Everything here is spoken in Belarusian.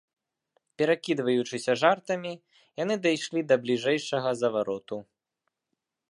Перакідваючыся жартамі, яны дайшлі да бліжэйшага завароту.